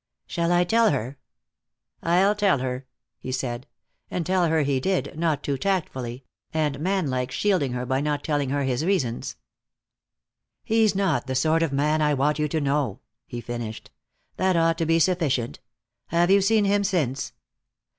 "Shall I tell her?" "I'll tell her," he said. And tell her he did, not too tactfully, and man like shielding her by not telling her his reasons. "He's not the sort of man I want you to know," he finished. "That ought to be sufficient. Have you seen him since?"